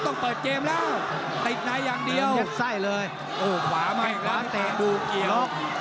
ต้องเปิดเกมแล้วติดไหนอย่างเดียวยัดไส้เลยโอ้ขวามาอีกแล้วดูเกี่ยว